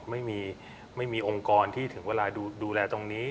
ไม่มีไม่มีองค์กรที่ถึงเวลาดูแลตรงนี้